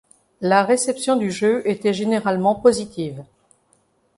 La réception du jeu était généralement positive.